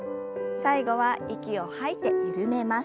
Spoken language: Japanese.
最後は息を吐いて緩めます。